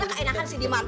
kan keenakan sih dimak